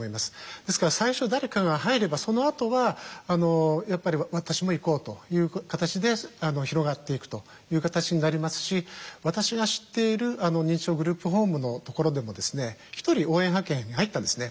ですから最初誰かが入ればそのあとはやっぱり私も行こうという形で広がっていくという形になりますし私が知っている認知症グループホームのところでも１人応援派遣に入ったんですね。